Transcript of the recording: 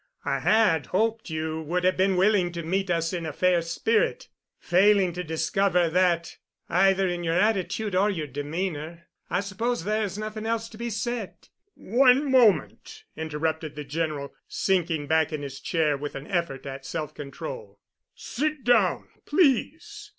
"I had hoped you would have been willing to meet us in a fair spirit. Failing to discover that—either in your attitude or your demeanor—I suppose there is nothing else to be said." "One moment," interrupted the General, sinking back in his chair with an effort at self control. "Sit down, please.